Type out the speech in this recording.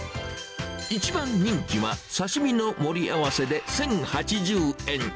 一番人気は、刺身の盛り合わせで１０８０円。